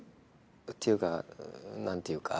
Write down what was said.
っていうかなんていうか。